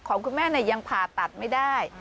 ของคุณแม่ยังผ่าตัดไม่ได้